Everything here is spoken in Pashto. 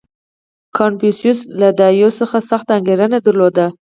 • کنفوسیوس له دایو څخه سخته انګېرنه درلوده.